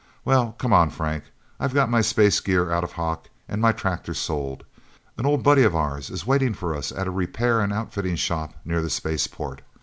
Well, come on, Frank. I've got my space gear out of hock, and my tractor sold. And an old buddy of ours is waiting for us at a repair and outfitting shop near the space port.